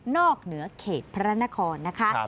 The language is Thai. นอกเหนือเขตพระราชนาคอลนะคะ